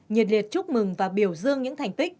nhiệt liệt chúc mừng và biểu dương những thành tích